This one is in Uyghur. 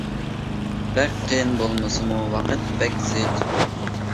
بەك قىيىن بولمىسىمۇ ۋاقتى بەك زىچ.